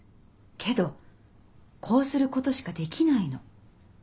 けどこうすることしかできないの。